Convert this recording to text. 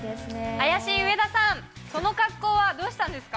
怪しい上田さん、その恰好はどうしたんですか。